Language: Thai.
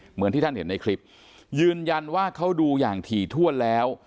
เหมือนที่ท่านเห็นในคลิปยืนยันว่าเขาดูอย่างถี่ถ้วนแล้ว